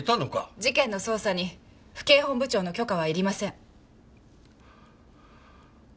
事件の捜査に府警本部長の許可はいりません。